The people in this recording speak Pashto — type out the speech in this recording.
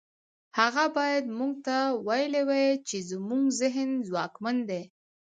هغه بايد موږ ته ويلي وای چې زموږ ذهن ځواکمن دی.